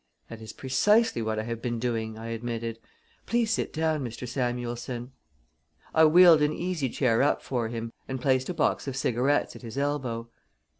"That is precisely what I have been doing," I admitted. "Please sit down, Mr. Samuelson." I wheeled an easy chair up for him and placed a box of cigarettes at his elbow.